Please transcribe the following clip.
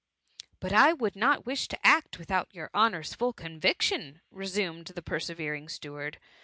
*^" But I would not wish to act without your honour's full conviction,^ resumed the perse vering steward.